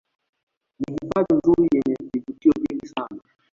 Ni hifadhi nzuri yenye vivutio vingi sana